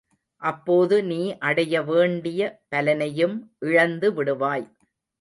அப்போது நீ அடையவேண்டிய பலனையும் இழந்து விடுவாய்.